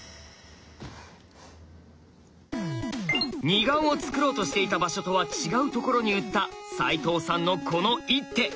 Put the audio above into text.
二眼をつくろうとしていた場所とは違うところに打った齋藤さんのこの一手。